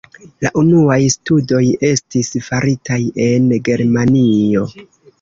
La unuaj studoj estis faritaj en Germanio.